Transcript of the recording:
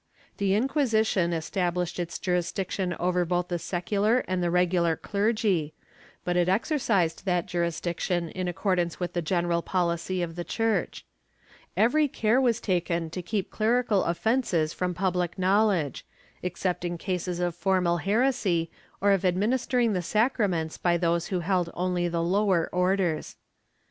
The Inquisition established its jurisdiction over both the secular and the regular clergy, but it exercised that jurisdiction in accordance with the general policy of the Church. Every care was taken to keep clerical offences from public knowledge, except in cases of formal heresy or of administering the sacraments by those who held only the lower orders.